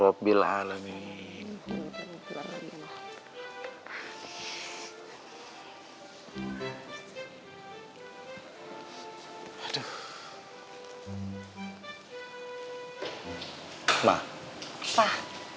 tapi gue kelihatan bener bener